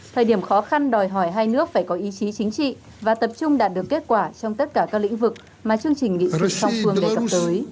thời điểm khó khăn đòi hỏi hai nước phải có ý chí chính trị và tập trung đạt được kết quả trong tất cả các lĩnh vực mà chương trình nghị sử dụng trong phương đề tập tới